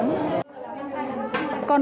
con vợ trang đã đặt lịch trước